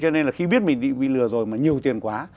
cho nên là khi biết mình bị lừa rồi mà nhiều tiền quá